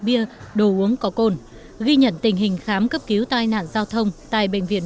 bia đồ uống có cồn ghi nhận tình hình khám cấp cứu tai nạn giao thông tại bệnh viện